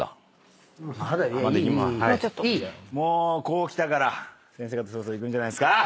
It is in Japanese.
こうきたから先生方そろそろいくんじゃないですか。